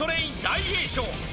大栄翔